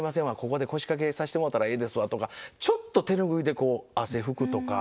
ここで腰掛けさしてもろたらええですわ」とかちょっと手拭いでこう汗拭くとか。